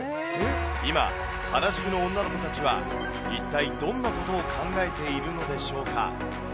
今、原宿の女の子たちは一体どんなことを考えているのでしょうか。